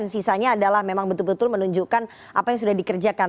sisanya adalah memang betul betul menunjukkan apa yang sudah dikerjakan